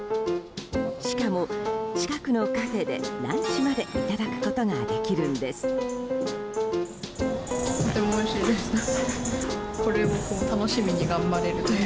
しかも、近くのカフェでランチまでいただくことができるんです。